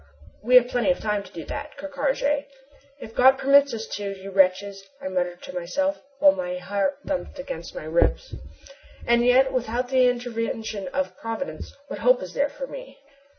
"We have plenty of time to do that, Ker Karraje." "If God permits you to, you wretches," I muttered to myself, while my heart thumped against my ribs. And yet, without the intervention of Providence, what hope is there for me?